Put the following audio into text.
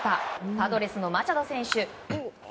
パドレスのマチャド選手。